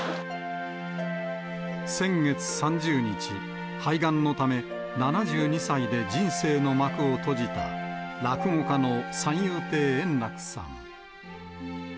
先月３０日、肺がんのため、７２歳で人生の幕を閉じた落語家の三遊亭円楽さん。